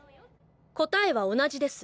答えは同じです。